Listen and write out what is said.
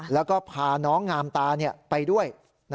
แล้วก็พาน้องงามตาไปด้วย